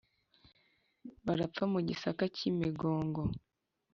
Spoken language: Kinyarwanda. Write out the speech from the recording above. Barapfa mu Gisaka cy'i Migongo.